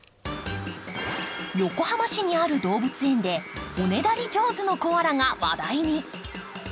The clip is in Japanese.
横浜市にある動物園でおねだり上手のコアラが話題に。